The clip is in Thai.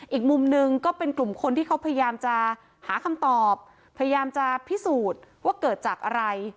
อีกมุมหนึ่งก็เป็นกลุ่มคนที่เขาพยายามจะหาคำตอบพยายามจะพิสูจน์ว่าเกิดจากอะไร